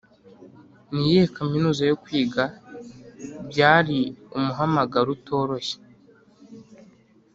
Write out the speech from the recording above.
niyihe kaminuza yo kwiga? byari umuhamagaro utoroshye!